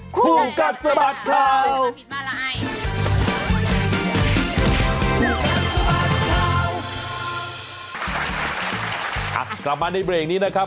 ผู้กัดสะบัดเข้าผู้กัดสะบัดเข้าครับกลับมาในเบรกนี้นะครับ